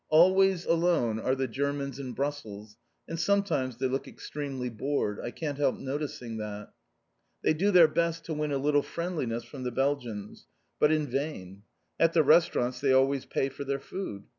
Always alone are the Germans in Brussels, and sometimes they look extremely bored. I can't help noticing that. They do their best to win a little friendliness from the Belgians. But in vain. At the restaurants they always pay for their food.